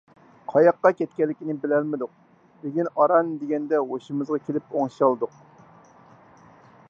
قاياققا كەتكەنلىكىنى بىلەلمىدۇق. بۈگۈن ئاران دېگەندە ھوشىمىزغا كېلىپ ئوڭشالدۇق.